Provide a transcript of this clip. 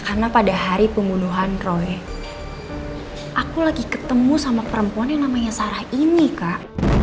karena pada hari pembunuhan roy aku lagi ketemu sama perempuan yang namanya sarah ini kak